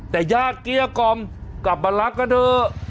แต่ยากเกียรติกรรมกลับมารักกันเถอะ